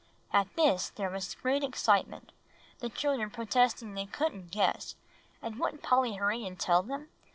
At this there was great excitement, the children protesting they couldn't guess, and wouldn't Polly hurry and tell them?